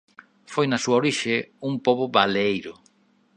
Foi na súa orixe un pobo baleeiro.